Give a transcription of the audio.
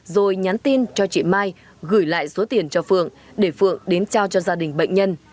rồi nhắn tin cho chị mai gửi lại số tiền cho phượng để phượng đến trao cho gia đình bệnh nhân